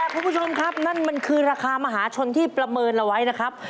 คุณผู้ชมครับนั่นมันคือราคามหาชนที่ประเมินเอาไว้นะครับ